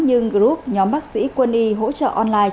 nhưng group nhóm bác sĩ quân y hỗ trợ online